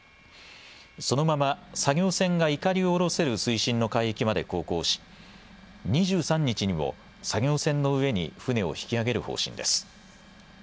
そのまま作業船が、いかりを下ろせる水深の海域まで航行し２３日にも作業船の上に船を引き揚げる方針です。